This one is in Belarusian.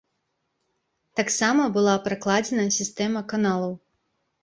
Таксама была пракладзена сістэма каналаў.